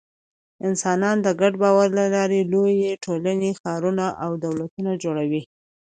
انسانان د ګډ باور له لارې لویې ټولنې، ښارونه او دولتونه جوړوي.